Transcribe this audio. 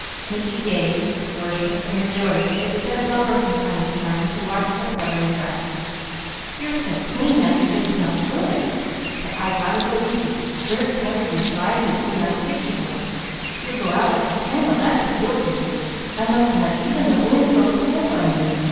Mickey gazed, worshipped and rejoiced as he bent lower from time to time to watch the fluttering breath. "You're so clean now you just smell good; but I got to go easy. The dirt covered you so I didn't see how sick you were. You'll go out like a candle, that's what you'll do. I mustn't let even the wind blow cold on you.